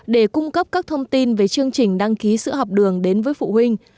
để cung cấp các thông tin về chương trình đăng ký sữa học đường đến với phụ huynh